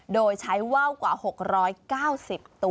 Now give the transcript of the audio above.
โดยใช้ว่าวกว่า๖๙๐ตัว